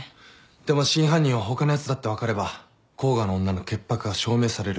でも真犯人は他のやつだって分かれば甲賀の女の潔白が証明される。